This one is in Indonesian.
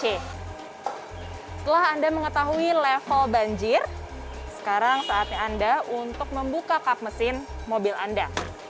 setelah anda mengetahui level banjir sekarang saatnya anda untuk membuka kap mesin mobil anda